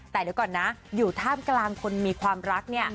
แต่เดี๋ยวก่อนนะอยู่ท่ามกลางคนมีความรักเนี่ย